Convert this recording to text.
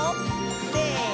せの！